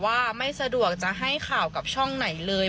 ว่าไม่สะดวกจะให้ข่าวกับช่องไหนเลย